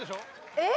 えっ！？